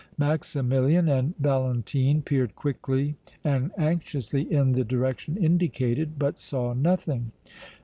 Maximilian and Valentine peered quickly and anxiously in the direction indicated but saw nothing.